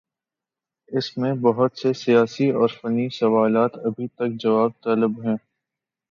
اس میں بہت سے سیاسی اور فنی سوالات ابھی تک جواب طلب ہیں۔